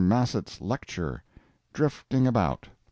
MASSETT'S LECTURE—"DRIFTING ABOUT."